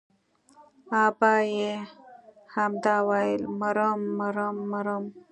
ابا يې همدا ويل مرم مرم مرم.